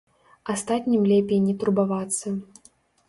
Астатнім лепей не турбавацца.